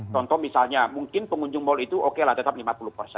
contoh misalnya mungkin pengunjung mal itu oke lah tetap lima puluh persen